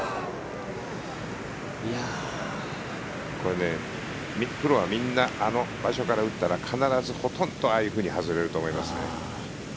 これ、プロはみんなあの場所から打ったら必ずほとんどああいうふうに外れると思いますね。